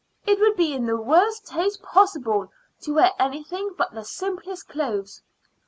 It would be in the worst taste possible to wear anything but the simplest clothes."